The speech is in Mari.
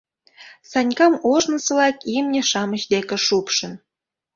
Санькам ожнысылак имне-шамыч деке шупшын.